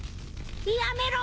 やめろ！